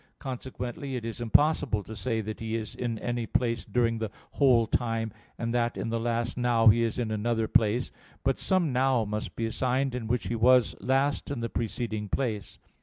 Consequently it is impossible to say that he is in any place during the whole time, and that in the last "now" he is in another place: but some "now" must be assigned in which he was last in the preceding place.